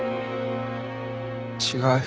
違う。